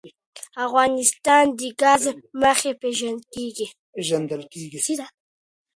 افغانستان د ګاز له مخې پېژندل کېږي.